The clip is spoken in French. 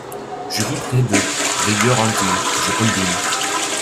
Je vis près d’eux, veilleur intime ; je combine